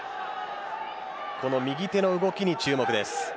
右手の動きに注目です。